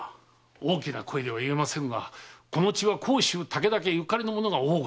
大きな声では言えませぬがこの地は甲州・武田家ゆかりの者が多ござる。